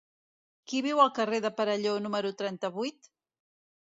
Qui viu al carrer del Perelló número trenta-vuit?